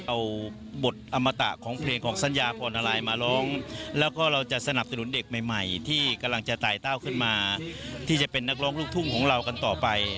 เอาบทอมตะของเพลงของสัญญาพรอะไรมาร้องแล้วก็เราจะสนับสนุนเด็กใหม่ใหม่ที่กำลังจะตายเต้าขึ้นมาที่จะเป็นนักร้องลูกทุ่งของเรากันต่อไป